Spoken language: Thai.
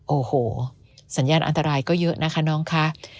โอ้โหสัญญาณอันตรายก็เยอะนะคะน้องคะ